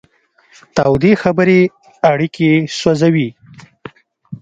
تودې خبرې اړیکې سوځوي.